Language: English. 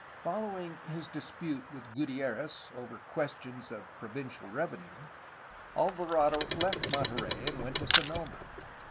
Following his dispute with Gutierrez (over questions of provincial revenue), Alvarado left Monte rey and went to Sonoma.